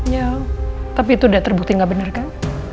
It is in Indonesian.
ya tapi itu udah terbukti gak bener kan